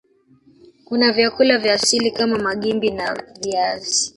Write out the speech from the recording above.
Kuna vyakula vya asili kama Magimbi na viazi